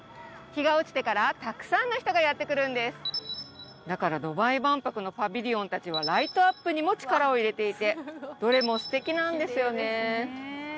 日が落ちてからたくさんの人がやって来るんですだからドバイ万博のパビリオン達はライトアップにも力を入れていてどれも素敵なんですよね